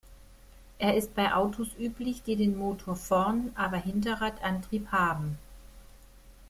Er ist bei Autos üblich, die den Motor vorn, aber Hinterradantrieb haben.